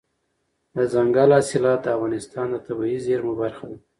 دځنګل حاصلات د افغانستان د طبیعي زیرمو برخه ده.